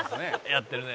「やってるね」